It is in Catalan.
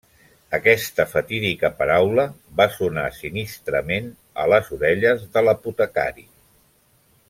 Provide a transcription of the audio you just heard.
Aquesta fatídica paraula va sonar sinistrament a les orelles de l'apotecari.